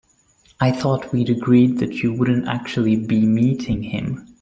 I thought we'd agreed that you wouldn't actually be meeting him?